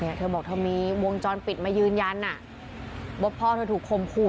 เนี่ยเธอบอกเธอมีวงจรปิดมายืนยันว่าพ่อถูกคนหู้